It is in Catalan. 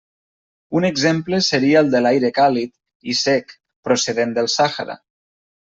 Un exemple seria el de l'aire càlid i sec, procedent del Sàhara.